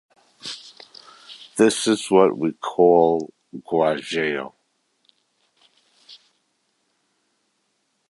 This is what we call "guajeo".